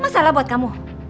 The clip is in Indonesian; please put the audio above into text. masalah buat kamu